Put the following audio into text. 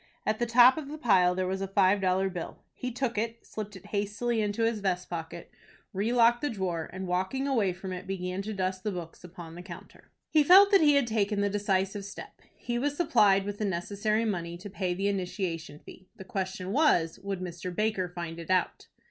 At the top of the pile there was a five dollar bill. He took it, slipped it hastily into his vest pocket, relocked the drawer, and, walking away from it, began to dust the books upon the counter. He felt that he had taken the decisive step. He was supplied with the necessary money to pay the initiation fee. The question was, would Mr. Baker find it out?